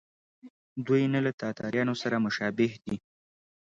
دوی نه له تاتارانو سره مشابه دي.